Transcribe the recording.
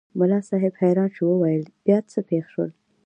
ملا صاحب حیران شو وویل بیا څه پېښ شول؟